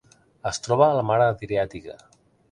Es troba a la Mar Adriàtica.